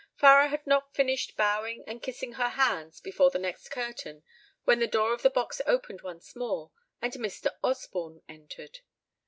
Farrar had not finished bowing and kissing her hands before the next curtain when the door of the box opened once more and Mr. Osborne entered.